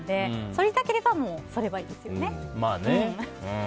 そりたければそればいいですよね。